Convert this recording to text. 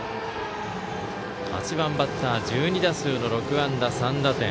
８番バッター１２打数６安打３打点。